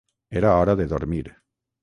Era hora de dormir.